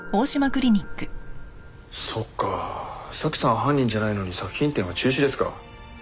そっかあ沙希さん犯人じゃないのに作品展は中止ですか。